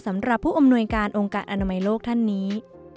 สำหรับผู้อำนวยการองค์การอนามัยโลกท่านนี้